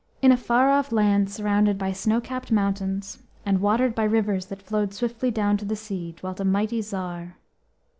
A FAR OFF land surrounded by snow capped mountains, and watered by rivers that flowed swiftly down to the sea, dwelt a mighty Tsar.